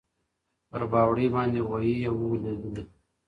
پر باوړۍ باندي غویی یې وو لیدلی `